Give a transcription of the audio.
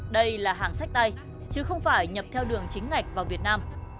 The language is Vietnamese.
đây là hàng sách tay chứ không phải nhập theo đường chính ngạch vào việt nam